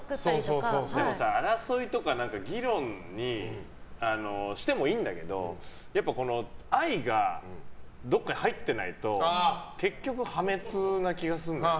でも争いとか議論にしてもいいんだけどやっぱ愛がどこかに入ってないと結局、破滅な気がするんだよね。